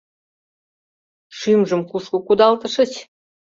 Шӱмжым кушко кудалтышыч?